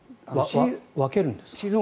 分けるんですか？